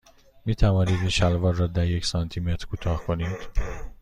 می توانید این شلوار را یک سانتی متر کوتاه کنید؟